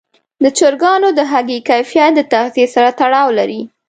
د چرګانو د هګیو کیفیت د تغذیې سره تړاو لري.